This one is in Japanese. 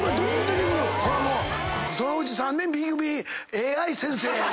ほなもうそのうち３年Ｂ組ＡＩ先生。